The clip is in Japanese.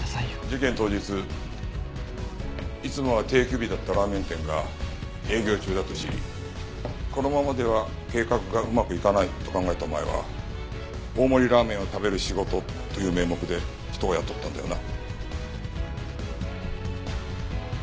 事件当日いつもは定休日だったラーメン店が営業中だと知りこのままでは計画がうまくいかないと考えたお前は「大盛りラーメンを食べる仕事」という名目で人を雇ったんだよな？